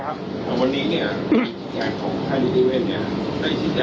แต่วันนี้เนี่ยได้สินแทนขั้นตอนตั้งแต่แรกที่มันการมาถึงที่สถานบาด